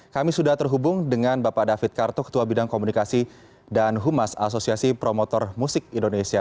kami sudah terhubung dengan bapak david kartu ketua bidang komunikasi dan humas asosiasi promotor musik indonesia